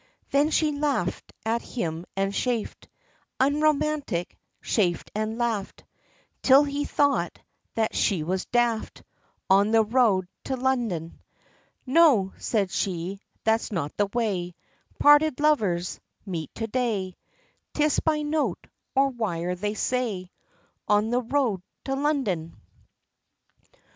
Then she laughed at him, and chaffed, Unromantic, chaffed, and laughed; Till he thought, that she was daft, On the road, to London. "No!" said she "That's not the way, Parted lovers, meet to day, 'Tis by note, or wire, they say 'On the road, to London.'